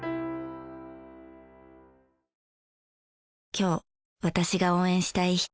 今日私が応援したい人。